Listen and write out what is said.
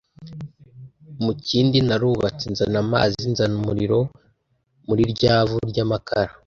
mu kindi narubatse nzana amazi nzana umuriro muri rya vu ry’amakara